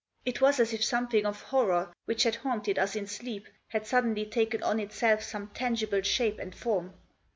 It was as if something of horror, which had haunted us in sleep, had suddenly taken oti itself some tangible shape and form.